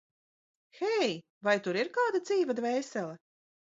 Hei, vai tur ir kāda dzīva dvēsele?